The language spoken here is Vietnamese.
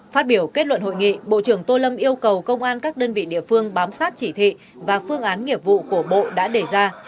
phát biểu kết luận hội nghị bộ trưởng tô lâm yêu cầu công an các đơn vị địa phương bám sát chỉ thị và phương án nghiệp vụ của bộ đã đề ra